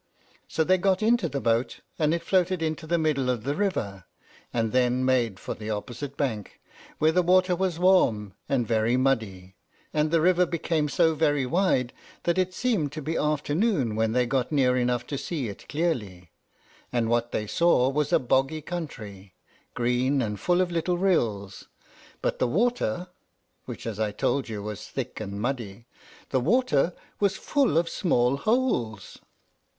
So they got into the boat, and it floated into the middle of the river, and then made for the opposite bank, where the water was warm and very muddy, and the river became so very wide that it seemed to be afternoon when they got near enough to see it clearly; and what they saw was a boggy country, green, and full of little rills; but the water, which, as I told you, was thick and muddy, the water was full of small holes!